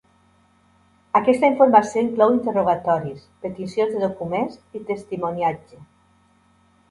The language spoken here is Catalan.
Aquesta informació inclou interrogatoris, peticions de documents i testimoniatge.